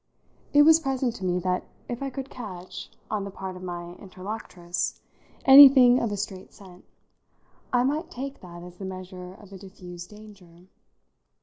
It was present to me that if I could catch, on the part of my interlocutress, anything of a straight scent, I might take that as the measure of a diffused danger.